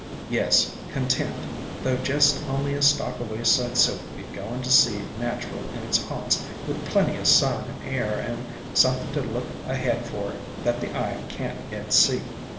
"Yes, content, though jest only a stalk of wayside Silkweed goin' to seed natural in its ha'nts with plenty o' sun and air and — something to look ahead for that the eye can't yet see."